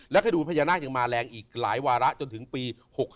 คดีพญานาคยังมาแรงอีกหลายวาระจนถึงปี๖๕